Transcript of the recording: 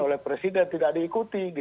oleh presiden tidak diikuti